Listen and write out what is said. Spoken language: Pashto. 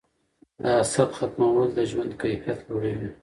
د حسد ختمول د ژوند کیفیت لوړوي.